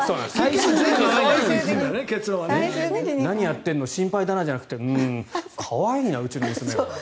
何やっているの心配だなじゃなくてうーん、可愛いなうちの娘は。